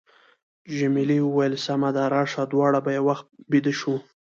جميلې وويل:، سمه ده، راشه دواړه به یو وخت بېده شو.